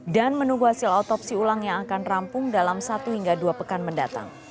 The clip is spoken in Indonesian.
dan menunggu hasil autopsi ulang yang akan rampung dalam satu hingga dua pekan mendatang